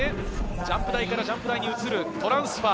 ジャンプ台からジャンプ台に移るトランスファー。